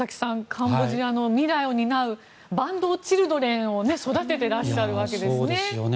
カンボジアの未来を担う板東チルドレンを育てていらっしゃるわけですね。